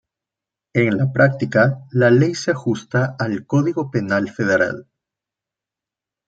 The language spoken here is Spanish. En la práctica, la ley se ajusta al Código Penal Federal.